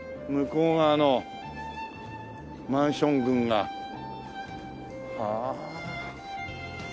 向こう側のマンション群が。はあ。